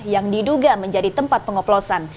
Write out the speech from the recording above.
yang diduga menjadi tempat pengoplosan